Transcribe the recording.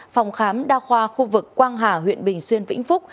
phòng khám đa khoa khu vực quang hà huyện bình xuyên vĩnh phúc